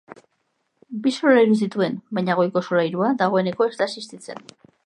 Bi solairu zituen baina goiko solairua dagoeneko ez da existitzen.